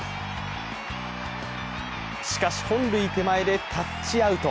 しかし、本塁手前でタッチアウト。